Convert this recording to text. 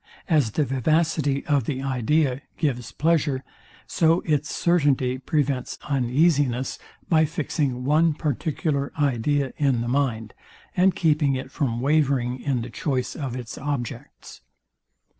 As the vivacity of the idea gives pleasure, so its certainty prevents uneasiness, by fixing one particular idea in the mind, and keeping it from wavering in the choice of its objects.